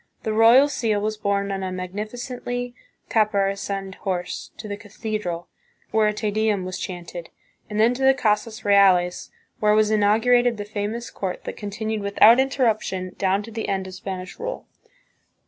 The royal seal was borne on a magnificently caparisoned horse to the cathedral, where a Te Deum was chanted, and then to the Casas Reales, where was inaugurated the famous court that continued without interruption down to the end of Spanish rule.